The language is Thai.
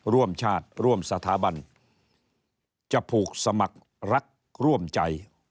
ร่วมชาติร่วมสถาบันจะผูกสมัครรักร่วมใจ